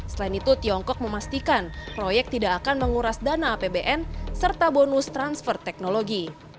selain itu tiongkok memastikan proyek tidak akan menguras dana apbn serta bonus transfer teknologi